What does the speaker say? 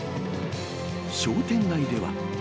商店街では。